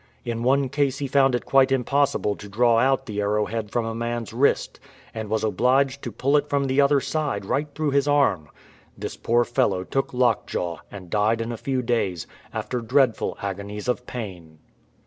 In one case he found it quite impossible to draw out the arrow head from a man^^s wrist, and was obliged to pull it from the other side right through his arm. This poor fellow took lock jaw, and died in a few days, after dreadful agonies of pain.